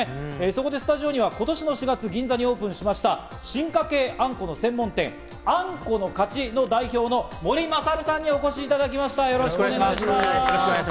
そこでスタジオには今年の４月、銀座にオープンしました、進化系あんこの専門店・あんこの勝ちの代表の森大さんにお越しいただきました、よろしくお願いします。